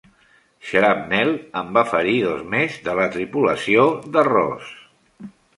Shrapnel en va ferir dos més de la tripulació de "Ross".